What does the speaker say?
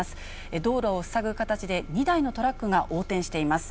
道路を塞ぐ形で２台のトラックが横転しています。